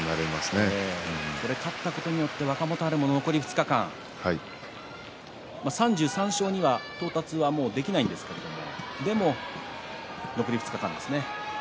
勝ったことによって若元春、残り２日間３３勝には到達はもうできませんがしかし残り２日間ですね。